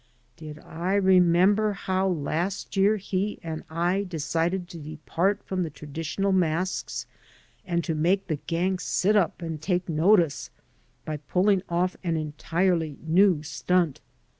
Did I remember how last year he and I decided to depart from the traditional masques and to make the gang sit up and take notice by pulling off an entirely 9 119 AN AMERICAN IN THE MAKING new stunt?